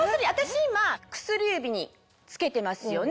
今薬指に着けてますよね。